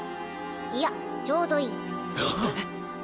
いやちょうどいいえっ？